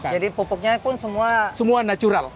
jadi pupuknya pun semua natural